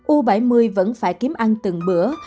u bảy mươi vẫn phải kiếm ăn từng bữa